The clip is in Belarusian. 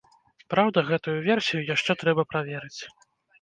Праўда, гэтую версію яшчэ трэба праверыць.